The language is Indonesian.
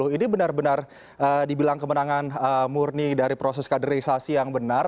ini benar benar dibilang kemenangan murni dari proses kaderisasi yang benar